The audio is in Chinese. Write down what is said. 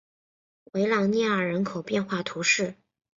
维朗涅尔人口变化图示